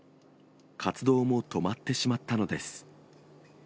活動も止まってしまったのです。